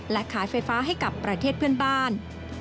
และขายไฟฟ้าให้กับประเทศเพื่อนบ้าน